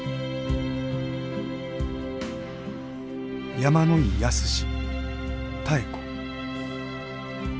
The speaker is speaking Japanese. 山野井泰史妙子。